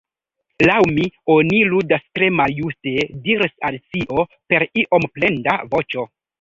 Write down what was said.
"Laŭ mi, oni ludas tre maljuste," diris Alicio per iom plenda voĉo.